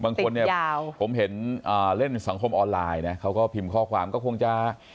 บางคนเนี่ยผมเห็นเล่นสังคมออนไลน์นะเขาก็พิมพ์ข้อความก็คงจะ